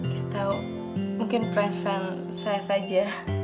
kita tahu mungkin perasaan saya saja